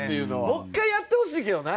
もう１回やってほしいけどな。